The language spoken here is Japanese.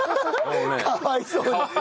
かわいそうに。